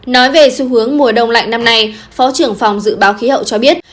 nói về xu hướng mùa đông lạnh năm nay phó trưởng phòng dự báo khí hậu cho biết